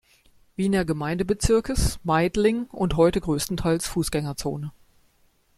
Wiener Gemeindebezirkes, Meidling, und heute größtenteils Fußgängerzone.